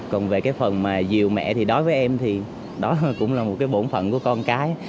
còn về cái phần mà diều mẹ thì đối với em thì đó cũng là một cái bổn phận của con cái